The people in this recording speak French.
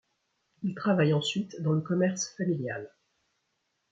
Il travaille ensuite dans le commerce familial.